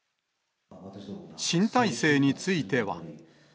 新体制については。